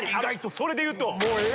それで言うと。